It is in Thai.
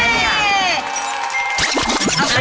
ใส่หน้า